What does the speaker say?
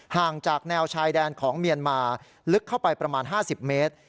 ห่างจากแนวชายแดนของเมียนมาลึกเข้าไปประมาณ๕๐เมตร